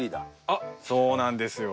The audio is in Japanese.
あっそうなんですよ。